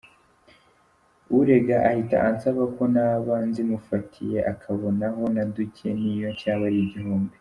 Urega ahita ansaba ko naba nzimufatiye akabonaho na duke n’iyo cyaba ari igihumbi.